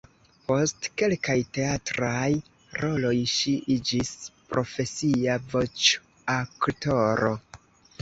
Post kelkaj teatraj roloj ŝi iĝis profesia voĉoaktoro.